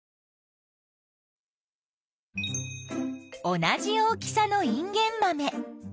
同じ大きさのインゲンマメ。